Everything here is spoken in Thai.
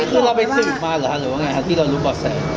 นี่คือเราไปสืบมาหรือว่าไงค่ะที่เรารู้ก่อนแสดง